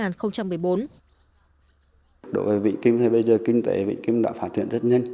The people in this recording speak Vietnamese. đối với vĩnh kim thì bây giờ kinh tế vĩnh kim đã phát triển rất nhanh